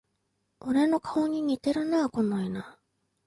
俺の顔に似てるな、この犬